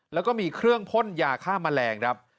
แล้วก็มีเครื่องพ่นยาฆ่าแมลงครับ